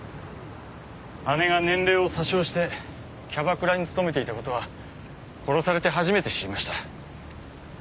姉が年齢を詐称してキャバクラに勤めていたことは殺されて初めて知りました。